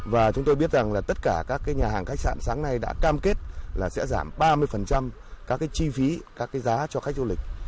và chúng tôi biết rằng là tất cả các nhà hàng khách sạn sáng nay đã cam kết là sẽ giảm ba mươi các cái chi phí các cái giá cho khách du lịch